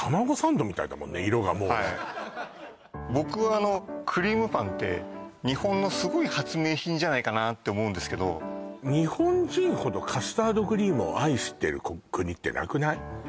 色がもう僕はクリームパンって日本のすごい発明品じゃないかなって思うんですけど日本人ほどカスタードクリームを愛してる国ってなくない？